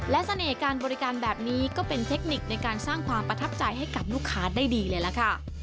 และเสน่ห์การบริการแบบนี้ก็เป็นเทคนิคในการสร้างความประทับใจให้กับลูกค้าได้ดีเลยล่ะค่ะ